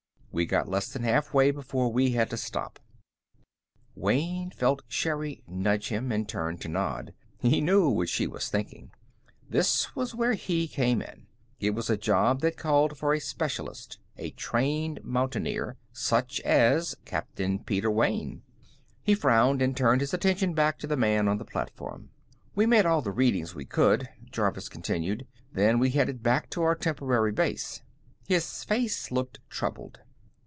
We got less than halfway before we had to stop." Wayne felt Sherri nudge him, and turned to nod. He knew what she was thinking. This was where he came in; it was a job that called for a specialist, a trained mountaineer such as Captain Peter Wayne. He frowned and turned his attention back to the man on the platform. "We made all the readings we could," Jervis continued. "Then we headed back to our temporary base." His face looked troubled.